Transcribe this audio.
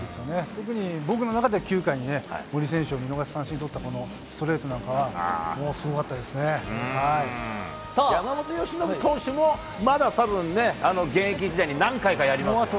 特に僕の中で９回にね、森選手の見逃し三振を取ったこのストレートなんかは、もうすごか山本由伸投手も、まだたぶんね、現役時代に何回かやりますよね。